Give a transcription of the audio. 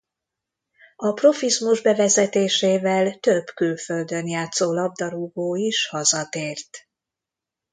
A profizmus bevezetésével több külföldön játszó labdarúgó is hazatért.